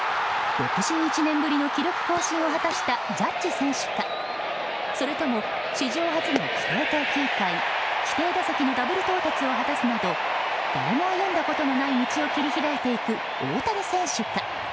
６１年ぶりの記録更新を果たしたジャッジ選手かそれとも、史上初の規定投球回、規定打席のダブル到達を果たすなど誰も歩んだことのない道を切り開いていく大谷選手か。